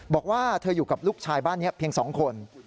บอกว่าเธออยู่กับลูกชายบ้านนี้เพียง๒คน